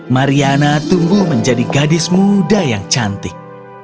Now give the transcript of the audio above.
mariana tumbuh menjadi gadis muda yang cantik